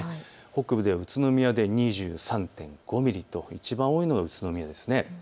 北部では宇都宮で２３．５ミリといちばん多いのが宇都宮ですね。